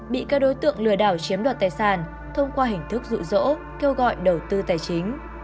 bị các đối tượng lừa đảo chiếm đoạt tài sản thông qua hình thức dụ dỗ kêu gọi đầu tư tài chính